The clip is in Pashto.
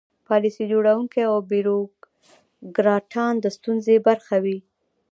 پالیسي جوړوونکي او بیروکراټان د ستونزې برخه وي.